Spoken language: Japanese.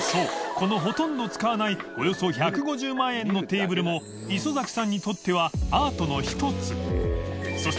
このほとんど使わないおよそ１５０万円のテーブルもさんにとってはアートの１つ磴修